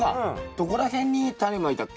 どこら辺にタネまいたっけ？